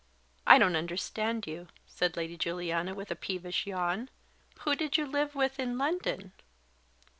"I don't understand you," said Lady Juliana, with a peevish yawn. "Who did you live with in London?"